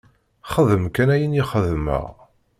Xdem kan ayen i xedmeɣ!